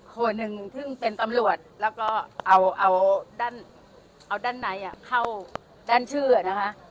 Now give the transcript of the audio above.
คนหนึ่งซึ่งเป็นตำรวจแล้วก็เอาเอาด้านเอาด้านไหนอ่ะเข้าด้านชื่ออ่ะนะคะ